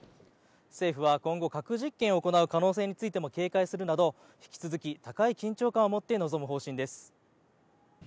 政府は今後核実験を行う可能性についても警戒するなど引き続き高い緊張感を持って臨む方針です。